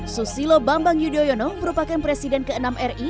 susilo bambang yudhoyono merupakan presiden ke enam ri